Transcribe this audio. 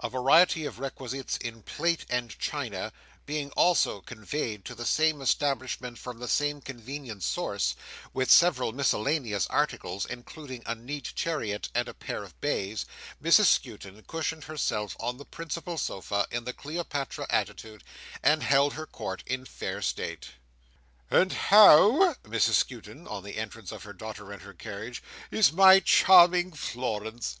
A variety of requisites in plate and china being also conveyed to the same establishment from the same convenient source, with several miscellaneous articles, including a neat chariot and a pair of bays, Mrs Skewton cushioned herself on the principal sofa, in the Cleopatra attitude, and held her court in fair state. "And how," said Mrs Skewton, on the entrance of her daughter and her charge, "is my charming Florence?